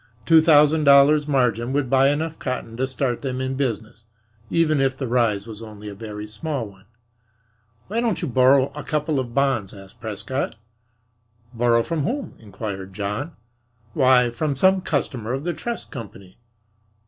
Two thousand dollars' margin would buy enough cotton to start them in business, even if the rise was only a very small one. "Why don't you borrow a couple of bonds?" asked Prescott. "Borrow from whom?" inquired John. "Why, from some customer of the trust company."